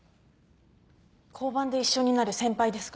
交番で一緒になる先輩ですか？